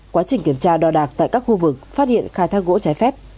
quá trình kiểm tra đo đạc tại các khu vực phát hiện khai thác gỗ trái phép